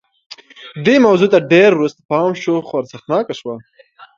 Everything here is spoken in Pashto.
دې موضوع ته ډېر وروسته پام شو خو ارزښتناکه شوه